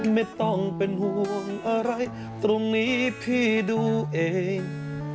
ไม่ต้องเป็นห่วงอะไรตรงนี้พี่ดูเอง